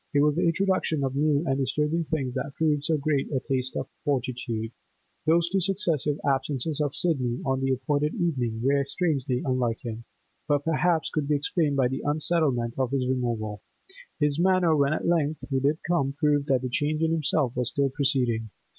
It was the introduction of new and disturbing things that proved so great a test of fortitude. Those two successive absences of Sidney on the appointed evening were strangely unlike him, but perhaps could be explained by the unsettlement of his removal; his manner when at length he did come proved that the change in himself was still proceeding.